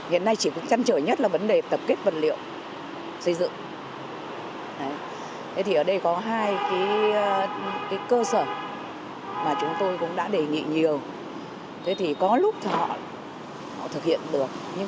hiện nay chỉ có chăm chở nhất là vấn đề tập kết vật liệu xây dựng